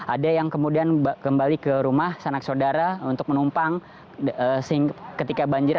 ada yang kemudian kembali ke rumah sanak saudara untuk menumpang ketika banjir